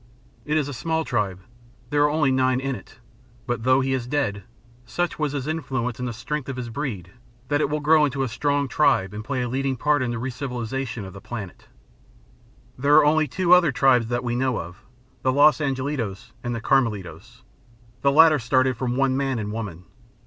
It is a small tribe there are only nine in it; but, though he is dead, such was his influence and the strength of his breed, that it will grow into a strong tribe and play a leading part in the recivilization of the planet. "There are only two other tribes that we know of the Los Angelitos and the Carmelitos. The latter started from one man and woman.